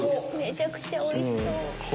めちゃくちゃおいしそう！